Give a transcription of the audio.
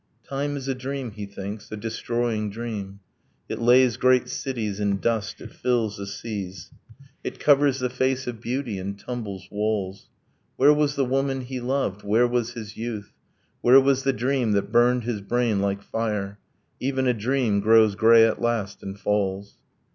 Time is a dream, he thinks, a destroying dream; It lays great cities in dust, it fills the seas; It covers the face of beauty, and tumbles walls. Where was the woman he loved? Where was his youth? Where was the dream that burned his brain like fire? Even a dream grows grey at last and falls.